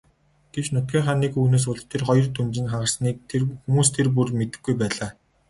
Гэвч нутгийнхаа нэг хүүхнээс болж тэр хоёрын түнжин хагарсныг хүмүүс тэр бүр мэдэхгүй байлаа.